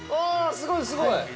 すごい、すごい！